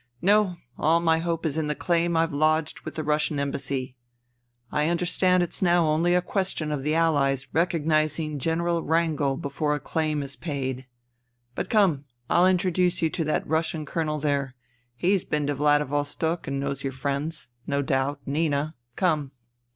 No : all my hope is in the claim I've lodged with the Russian Embassy. I under stand it's now only a question of the Allies recognizing General Wr angel before the claim is paid. But come, I'll introduce you to that Russian Colonel there. He's been to Vladivostok and knows your friends, no doubt — Nina. Come."